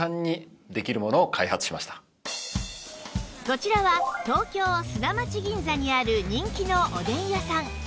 こちらは東京砂町銀座にある人気のおでん屋さん